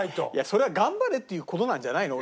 それは頑張れっていう事なんじゃないの？